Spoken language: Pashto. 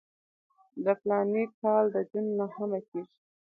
د فلاني کال د جون نهمه کېږي.